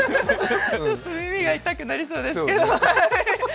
うふふ、耳が痛くなりそうですけど。